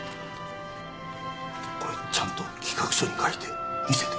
これちゃんと企画書に書いて見せて。